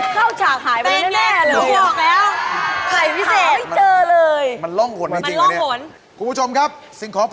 ก๊อฟหายไปไหนเหรอ